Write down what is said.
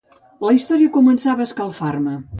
La història començava a escalfar-me.